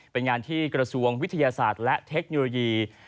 เป็นงานที่กระทรวงวิทยาศาสตร์และเทคโนโลยี